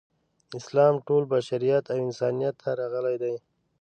اسلام ټول بشریت او انسانیت ته راغلی دی.